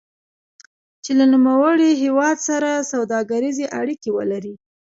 چې له نوموړي هېواد سره سوداګریزې اړیکې ولري.